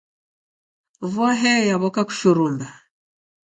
Vua heyo yaw'oka kushurumba.